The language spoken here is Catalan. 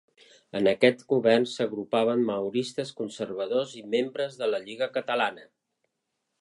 En aquest govern s'agrupaven mauristes, conservadors i membres de la Lliga Catalana.